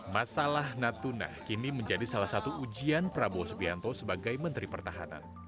masalah natuna kini menjadi salah satu ujian prabowo subianto sebagai menteri pertahanan